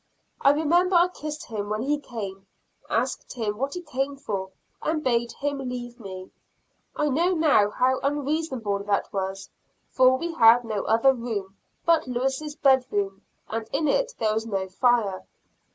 I remember I kissed him when he came, asked him what he came for, and bade him leave me. I know now how unreasonable that was, for we had no other room but Lewis' bed room, and in it there was no fire.